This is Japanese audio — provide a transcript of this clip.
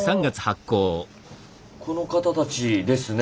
この方たちですね。